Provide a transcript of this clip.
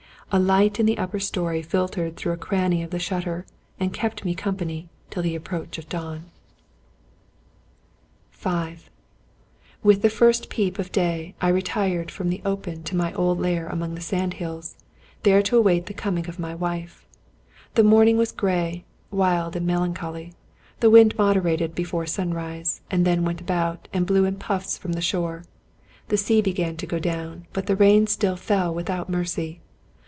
A light in the upper story filtered through a cranny of the shutter, and kept me com pany till the approach of dawn. ,o^ Scotch Mystery Stories V With the first peep of day, I retired from the open to my old lair among the sand hills, there to await the coming of my wife. The morning was gray, wild, and melancholy ; the wind moderated before sunrise, and then went about, and blew in puffs from the shore; the sea began to go down, but the rain still fell without mercy.